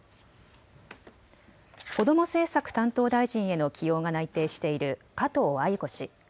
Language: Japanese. こども政策担当大臣への起用が内定している加藤鮎子氏。